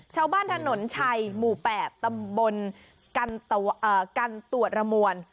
ชาวบ้านถนนชัยหมู่๘ตำบลกันตรวจระมวล